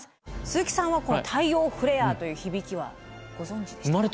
鈴木さんはこの太陽フレアという響きはご存じでしたか？